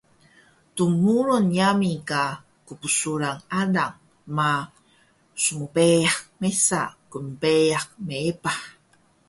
Dmurun yami ka qbsuran alang ma smbeyax mesa knbeyax meepah